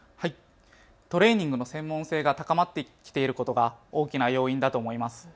トレーニングの専門性が高まってきていることが大きな要因だと思います。